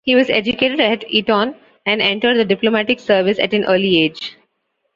He was educated at Eton and entered the Diplomatic Service at an early age.